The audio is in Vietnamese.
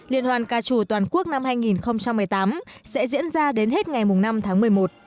liên hoan ca trù toàn quốc năm hai nghìn một mươi tám sẽ diễn ra đến hết ngày năm tháng một mươi một